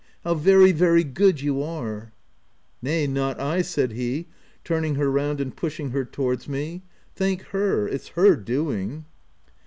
How very, very good you are !" "Nay, not I" said he, turning her round and pushing her towards me. iC Thank her ; it's her doing.'